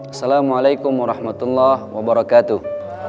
assalamualaikum warahmatullahi wabarakatuh